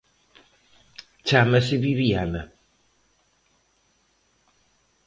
Chámase Bibiana.